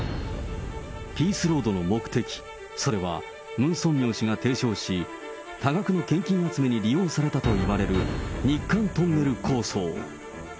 ピースロードの目的、それはムン・ソンミョン氏が提唱し、多額の献金集めに利用されたといわれる、日韓トンネル構想。